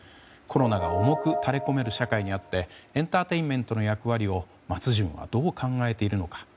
コロナが重く垂れこめる社会にあってエンターテインメントの役割を松潤はどう考えているのか。